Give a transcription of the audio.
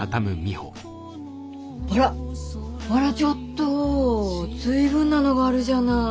あらあらちょっと随分なのがあるじゃない。